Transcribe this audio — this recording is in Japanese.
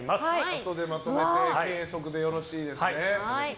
あとでまとめて計測でよろしいですね。